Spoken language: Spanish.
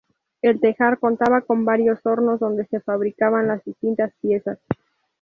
El tejar contaba con varios hornos donde se fabricaban las distintas piezas.